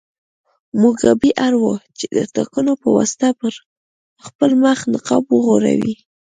موګابي اړ و چې د ټاکنو په واسطه پر خپل مخ نقاب وغوړوي.